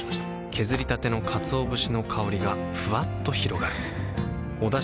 削りたてのかつお節の香りがふわっと広がるはぁ。